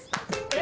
え。